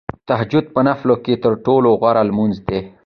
تهجد په نوافلو کې تر ټولو غوره لمونځ دی .